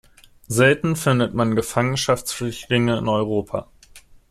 Selten findet man Gefangenschaftsflüchtlinge in Europa.